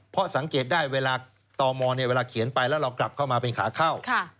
เพราะสังเกตได้เวลาตมเวลาเขียนไปแล้วเรากลับเข้ามาเป็นขาเข้า